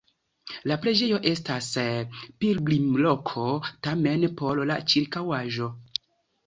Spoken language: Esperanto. La preĝejo estas pilgrimloko, tamen por la ĉirkaŭaĵo.